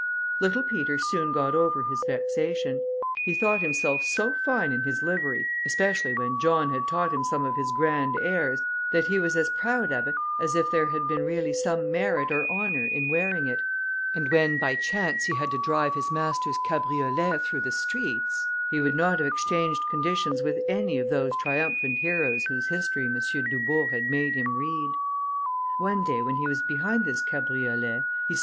Little Peter soon got over his vexation; he thought himself so fine in his livery, especially when John had taught him some of his grand airs, that he was as proud of it as if there had really been some merit or honour in wearing it, and when, by chance, he had to drive his master's cabriolet through the streets, he would not have exchanged conditions with any of those triumphant heroes whose history M. Dubourg had made him read. One day when he was behind this cabriolet, he saw M.